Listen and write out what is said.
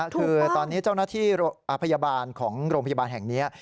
คือตอนนี้เจ้าหน้าที่พยาบาลของโรงพยาบาลแห่งนี้